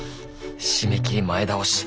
締め切り前倒し。